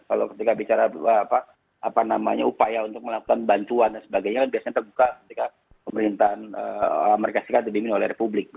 kalau ketika bicara upaya untuk melakukan bantuan dan sebagainya kan biasanya terbuka ketika pemerintahan amerika serikat dibimbing oleh republik